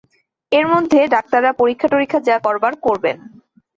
এর মধ্যে ডাক্তাররা পরীক্ষা-টরীক্ষা যা করবার করবেন।